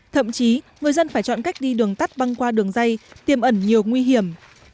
thậm chí người dân phải chọn cách đi đường tắt băng qua đường dây tiêm ẩn nhiều nguy hiểm